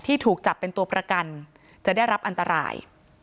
ถูกจับเป็นตัวประกันจะได้รับอันตราย